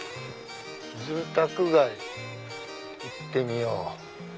住宅街行ってみよう。